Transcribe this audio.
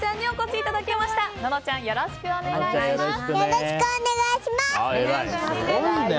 よろしくお願いします。